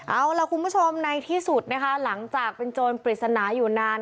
เอาล่ะคุณผู้ชมในที่สุดนะคะหลังจากเป็นโจรปริศนาอยู่นาน